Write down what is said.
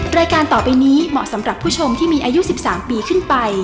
รายการต่อไปนี้เหมาะสำหรับผู้ชมที่มีอายุ๑๓ปีขึ้นไป